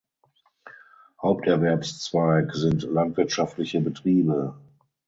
Haupterwerbszweig sind landwirtschaftliche Betriebe.